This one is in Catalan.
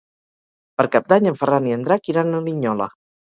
Per Cap d'Any en Ferran i en Drac iran a Linyola.